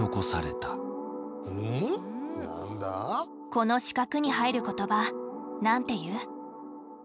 この四角に入る言葉なんて言う？